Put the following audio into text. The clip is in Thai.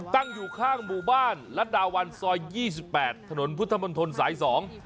ตั้งอยู่ข้างบุบรรณรัดาวัณศ์ซอย๒๘ถนพุทธมณฑลสายสอง